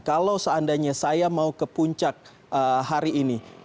kalau seandainya saya mau ke puncak hari ini